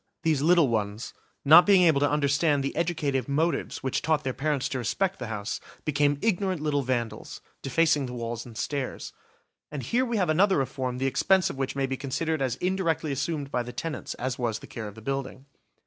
These little ones, not being able to understand the educative motives which taught their parents to respect the house, became ignorant little vandals, defacing the walls and stairs. And here we have another reform the expense of which may be considered as indirectly assumed by the tenants as was the care of the building.